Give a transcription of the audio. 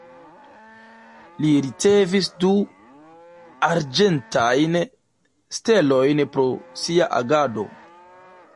Li ricevis du Arĝentajn Stelojn pro sia agado.